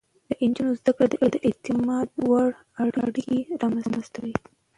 د نجونو زده کړه د اعتماد وړ اړيکې رامنځته کوي.